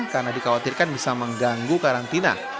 karena dikhawatirkan bisa mengganggu karantina